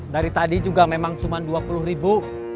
dari tadi juga memang cuma dua puluh ribu